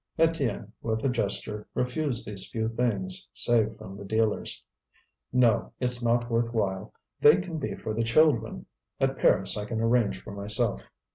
Étienne, with a gesture, refused these few things saved from the dealers. "No, it's not worth while; they can be for the children. At Paris I can arrange for myself."